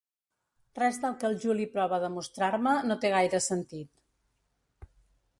Res del que el Juli prova de mostrar-me no té gaire sentit.